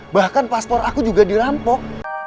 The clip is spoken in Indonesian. bahkan paspor aku juga dirampok